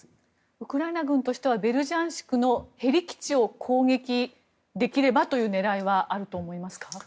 ウクライナ軍としてはベルジャンシクのヘリ基地を攻撃できればという狙いはあると思いますか？